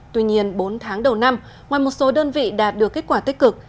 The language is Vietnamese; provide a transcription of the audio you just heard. tuy nhiên bốn tháng đầu năm ngoài một số đơn vị đạt được kết quả tích cực